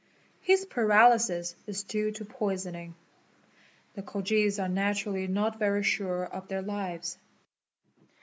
His paralysis is due to poisoning. The Khojis are naturally not very sure of their lives.